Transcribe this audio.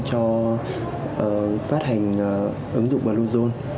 cho phát hành ứng dụng bluezone